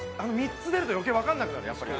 ３つ出ると余計わかんなくなるやっぱり。